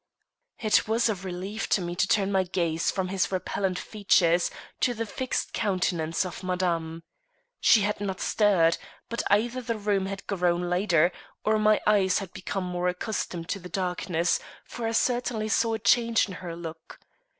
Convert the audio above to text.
It was a relief to me to turn my gaze from his repellant features to the fixed countenance of Madame. She had not stirred; but either the room had grown lighter or my eyes had become more accustomed to the darkness, for I certainly saw a change in her look.